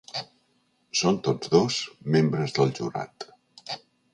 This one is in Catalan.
Són tots dos membres del jurat.